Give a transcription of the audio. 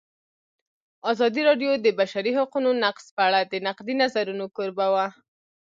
ازادي راډیو د د بشري حقونو نقض په اړه د نقدي نظرونو کوربه وه.